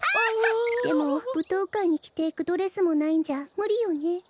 でもぶとうかいにきていくドレスもないんじゃむりよね。